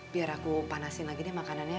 biar aku panasin lagi deh makanannya